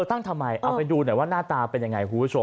ตั้งทำไมเอาไปดูหน่อยว่าหน้าตาเป็นยังไงคุณผู้ชม